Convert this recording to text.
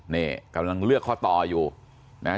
นี่กำลังเลือกข้อต่ออยู่นะฮะ